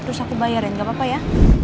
terus aku bayarin gak apa apa ya